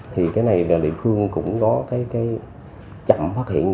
thì cái này là địa phương cũng có cái chậm phát hiện